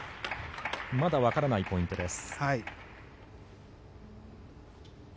まだわからないポイントです。